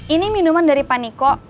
ini minuman dari pak niko